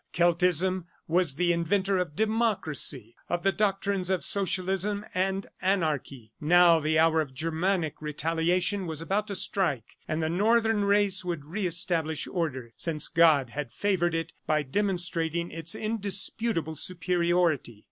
Celtism was the inventor of Democracy, of the doctrines of Socialism and Anarchy. Now the hour of Germanic retaliation was about to strike, and the Northern race would re establish order, since God had favored it by demonstrating its indisputable superiority.